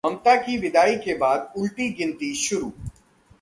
ममता की विदाई के बाद उल्टी गिनती शुरू